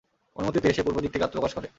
অনুমতি পেয়ে সে পূর্বদিক থেকে আত্মপ্রকাশ করে।